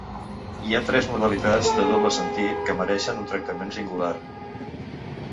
Hi ha tres modalitats de doble sentit que mereixen un tractament singular.